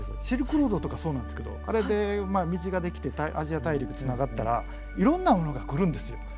シルクロードとかそうなんですけどあれでまあ道ができてアジア大陸繋がったらいろんなものが来るんですよ。